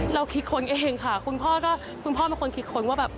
เราคิดค้นเองค่ะคุณพ่อก็คุณพ่อเป็นคนคิดค้นว่าแบบ